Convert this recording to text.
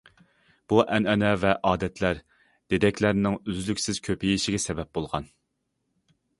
بۇ ئەنئەنە ۋە ئادەتلەر دېدەكلەرنىڭ ئۈزلۈكسىز كۆپىيىشىگە سەۋەب بولغان.